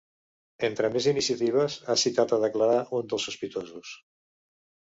Entre més iniciatives, ha citat a declarar un dels sospitosos.